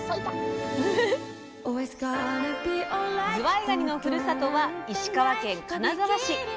ずわいがにのふるさとは石川県金沢市。